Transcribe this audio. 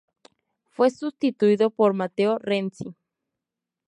Fue sustituido por Matteo Renzi.